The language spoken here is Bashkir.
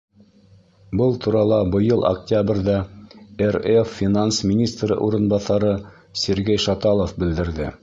Был турала быйыл октябрҙә РФ финанс министры урынбаҫары Сергей Шаталов белдерҙе.